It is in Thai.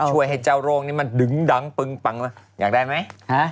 ช่วยให้เจ้าโรคนี้มันดึงดังปึงปังอยากได้ไหม